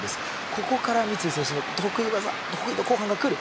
ここから三井選手の得意の後半が来る。